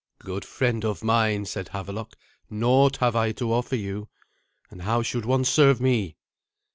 "Good friend of mine," said Havelok, "naught have I to offer you. And how should one serve me?"